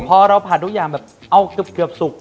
พอเราผัดทุกอย่างแบบเอาเกือบสุก